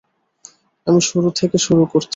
আমি শুরু থেকে শুরু করছি।